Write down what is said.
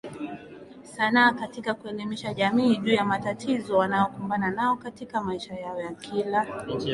sanaa katika kuelimisha jamii juu ya matatizo wanayokumbana nayo katika maisha yao ya kila